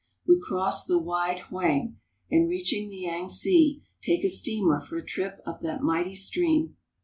We cross the wide Hoang and, reach ing the Yangtze, take a steamer for a trip up that mighty stream.